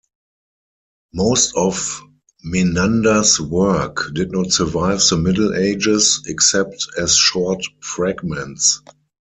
Most of Menander's work did not survive the Middle Ages, except as short fragments.